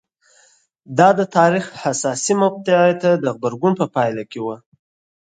دا د تاریخ حساسې مقطعې ته د غبرګون په پایله کې وه